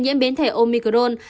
nhiễm biến thể omicron